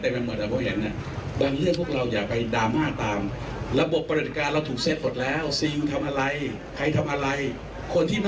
ด้วยการหรือบรรลวรยังทำงานกันอย่างเต็มที่